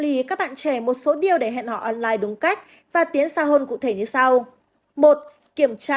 đã đoạn trẻ một số điều để hẹn hò online đúng cách và tiến xa hôn cụ thể như sau một kiểm tra